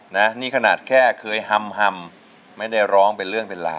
นี่อีกขนาดแค่เคยฮ่ำไม่ได้ร้องเป็นเรื่องเพลา